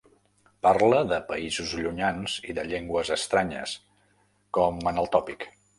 Parla de països llunyans i de llengües estranyes, com en el tòpic.